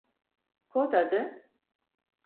Kod adı…